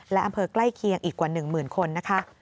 และอำเภอใกล้เคียงอีกกว่า๑หมื่นคนนะคะ